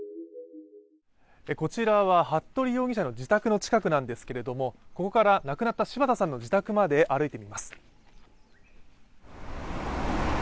こちらは服部容疑者の自宅の近くなんですけれどもここから亡くなった柴田さんの自宅まで歩いてみます。